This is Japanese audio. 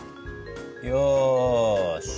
よし。